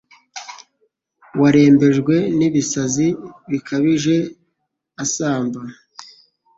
warembejwe n'ibisazi bikabije asamba,